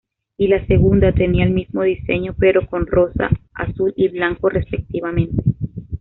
Y la segunda tenía el mismo diseño, pero con rosa, azul y blanco respectivamente.